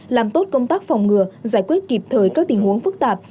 làm tốt công tác phòng ngừa giải quyết kịp thời các tình huống phức tạp